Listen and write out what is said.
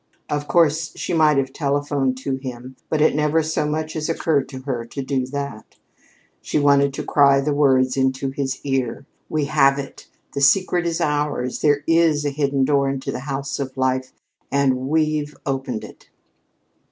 Of course, she might have telephoned to him, but it never so much as occurred to her to do that. She wanted to cry the words into his ear: "We have it! The secret is ours! There is a hidden door into the house of life and we've opened it!"